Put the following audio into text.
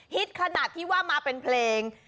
ขนาดที่ว่ามาเป็นเพลง